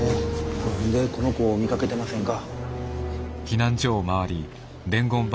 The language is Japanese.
この辺でこの子見かけてませんか？